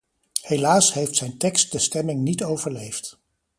Helaas heeft zijn tekst de stemming niet overleefd.